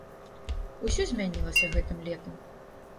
Усё змянілася гэтым летам.